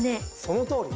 そのとおり。